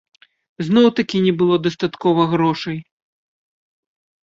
Зноў-такі не было дастаткова грошай.